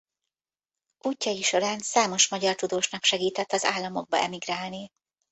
Útjai során számos magyar tudósnak segített az Államokba emigrálni.